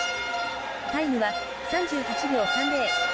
タイムは、３８秒３０。